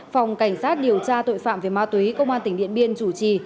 phòng cảnh sát điều tra tội phạm về ma túy công an tỉnh điện biên chủ trì